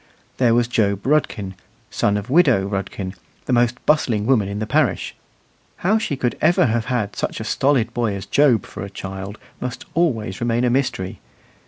There was Job Rudkin, son of widow Rudkin, the most bustling woman in the parish. How she could ever have had such a stolid boy as Job for a child must always remain a mystery.